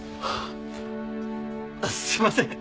あっすいません。